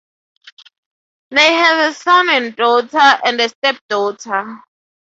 They have a son and daughter, and a step daughter.